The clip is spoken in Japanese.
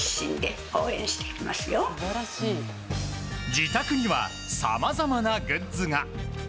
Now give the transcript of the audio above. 自宅にはさまざまなグッズが。